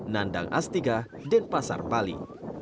nandang astiga denpasar bali